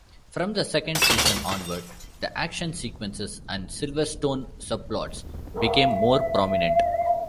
From the second season onward, the action sequences and Silverstone subplots became more prominent.